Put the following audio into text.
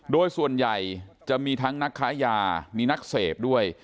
โดยส่วนใหญ่จะมีทั้งนักค้ายามีนักเสพด้วย